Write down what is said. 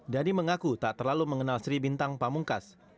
dhani mengaku tak terlalu mengenal sri bintang pamungkas